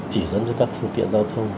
chỉ dẫn cho các phương tiện giao thông